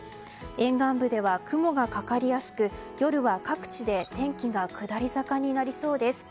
沿岸部では雲がかかりやすく夜は各地で天気が下り坂になりそうです。